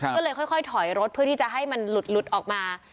ก็เลยค่อยถอยรถเพื่อที่จะให้มันหลุดออกมา